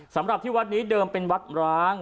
สำหรับที่วัดนี้เดิมเป็นวัดร้าง